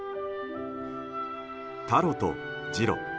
タロとジロ。